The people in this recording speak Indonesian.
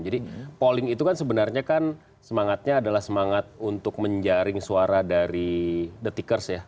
jadi polling itu kan sebenarnya kan semangatnya adalah semangat untuk menjaring suara dari detikers ya